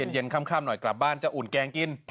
เย็นค่ำหน่อยกลับบ้านจะอุ่นแกงกิน